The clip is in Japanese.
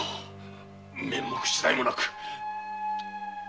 面目次第もなく。